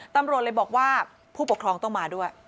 ตำรวจเลยบอกว่าผู้ปกครองต้องมาด้วย